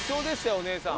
お姉さん。